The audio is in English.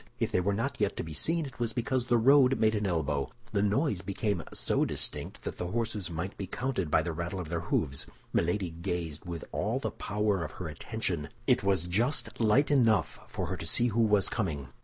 If they were not yet to be seen, it was because the road made an elbow. The noise became so distinct that the horses might be counted by the rattle of their hoofs. Milady gazed with all the power of her attention; it was just light enough for her to see who was coming.